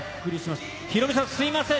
ヒロミさん、すみません。